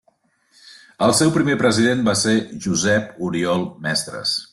El seu primer president va ser Josep Oriol Mestres.